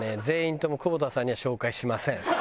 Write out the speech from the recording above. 全員とも久保田さんには紹介しません。